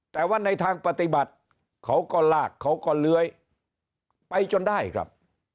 แต่ว่าในทางปฏิบัติเขาก็ลากเขาก็เลื้อยไปจนได้ครับ